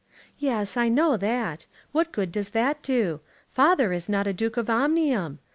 "Yes; I know that. What good does that do? Father is not a Duke of Omnium.